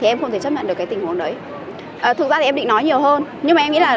chị ơi cho em một cái kem sô cô la mới